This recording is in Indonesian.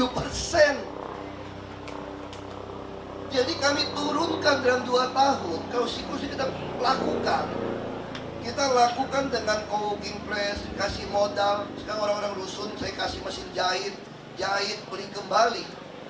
delapan empat puluh tujuh persen jadi kami turunkan dalam dua tahun kalau siklus kita lakukan kita lakukan dengan co working place kasih modal sekarang orang orang rusun saya kasih mesin jahit jahit beli kembali